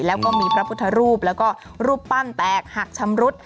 แล้วก็มีพระพุทธรูปแล้วก็รูปปั้นแตกหักชำรุด